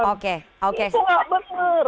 itu tidak benar